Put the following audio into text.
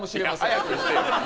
早くしてよ。